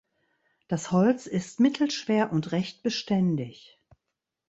Das Holz ist mittelschwer und recht beständig.